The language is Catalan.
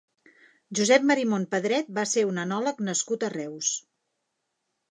Josep Marimon Pedret va ser un enòleg nascut a Reus.